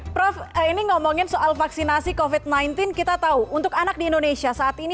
prof ini ngomongin soal vaksinasi covid sembilan belas kita tahu untuk anak di indonesia saat ini